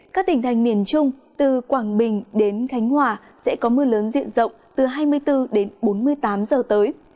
các tỉnh thành miền trung từ quảng bình đến khánh hòa sẽ có mưa lớn diện rộng từ hai mươi bốn đến bốn mươi tám giờ tới